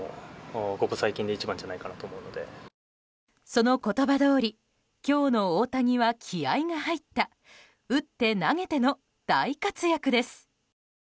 その言葉どおり今日の大谷は気合が入った打って投げての大活躍です。